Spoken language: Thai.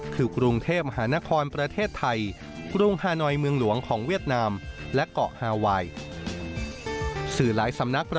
คือกรุงเทพฯหานครประเทศไทย